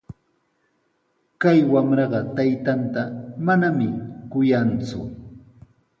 Kay wamraqa taytanta manami kuyanku.